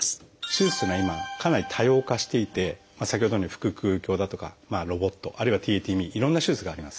手術というのは今かなり多様化していて先ほどのように腹くう鏡だとかロボットあるいはＴａＴＭＥいろんな手術があります。